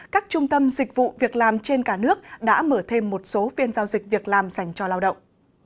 các trung tâm dịch vụ việc làm trên cả nước đã mở thêm một số phiên giao dịch việc làm dành cho lao động